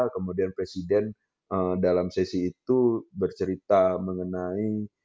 kemudian presiden dalam sesi itu bercerita mengenai